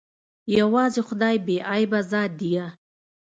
يوازې خداى بې عيبه ذات ديه.